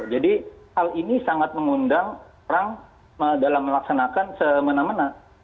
jadi hal ini sangat mengundang orang dalam melaksanakan semena mena